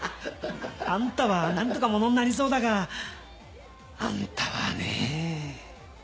あんたはなんとかものになりそうだがあんたはねぇ。